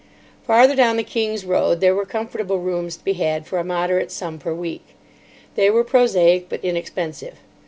Farther down the King's Road there were comfortable rooms to be had for a moderate sum per week. They were prosaic, but inexpensive.